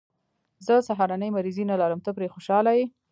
زه سهارنۍ مریضي نه لرم، ته پرې خوشحاله یې.